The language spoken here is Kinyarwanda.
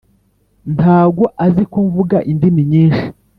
ntago aziko mvuga indimi nyinshi